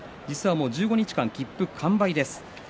１５日間、切符は完売です。